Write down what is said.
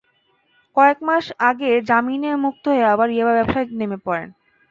কয়েক মাস আগে জামিনে মুক্ত হয়ে আবার ইয়াবা ব্যবসায় নেমে পড়েন।